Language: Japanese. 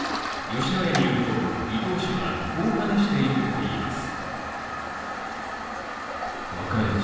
吉野家によると、伊東氏はこう話しているといいます。